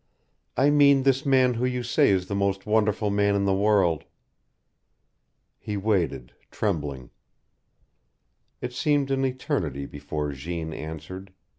I mean this man who you say is the most wonderful man in the world." He waited, trembling. It seemed an eternity before Jeanne answered.